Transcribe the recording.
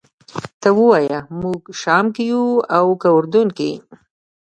ته ووایه موږ شام کې یو او که اردن کې.